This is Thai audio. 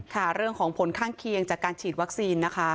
ค่ะเรื่องของผลข้างเคียงจากการฉีดวัคซีนนะคะ